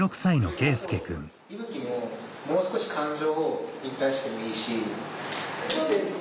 あともう少し感情を出してもいいし。